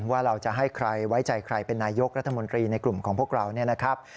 ว่าเราจะให้ใครไว้ใจใครเป็นนายยกรัฐมนตรีในกลุ่มของพวกเรา